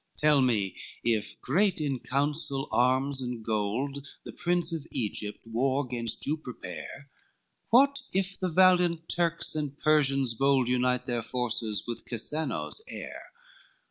LXXI "Tell me if, great in counsel, arms and gold, The Prince of Egypt war 'gainst you prepare, What if the valiant Turks and Persians bold, Unite their forces with Cassanoe's heir?